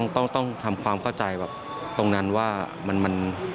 ต้องทำความเข้าใจแบบตรงนั้นว่ามัน